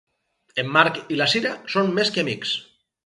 En Marc i la Sira són més que amics.